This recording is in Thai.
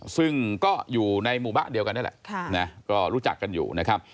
ซึ่งก็อยู่ในหมู่บ้านเดียวกันนี่แหละก็รู้จักกันอยู่นะครับ